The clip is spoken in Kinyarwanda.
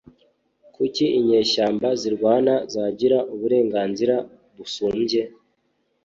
kuki inyeshyamba zirwana zagira uburenganzira busumbye